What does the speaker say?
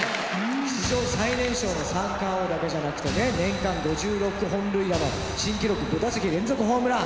史上最年少の三冠王だけじゃなくてね年間５６本塁打新記録５打席連続ホームラン。